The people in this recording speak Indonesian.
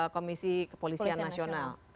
komisi kepolisian nasional